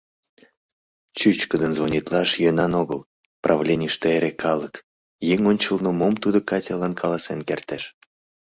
Чӱчкыдын звонитлаш йӧнан огыл, правленийыште эре калык, еҥ ончылно мом тудо Катялан каласен кертеш?